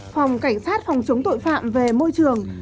phòng cảnh sát phòng chống tội phạm về môi trường